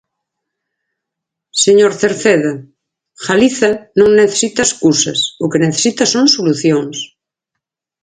Señor Cerceda, Galiza non necesita escusas, o que necesita son solucións.